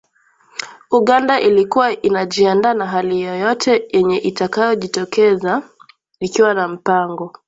Uganda ilikuwa inajiandaa na hali yoyote yenye itakayojitokeza ikiwa na mpango.